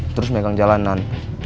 terus megang jalanan